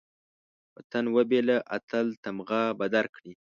وطن وبېله، اتل تمغه به درکړي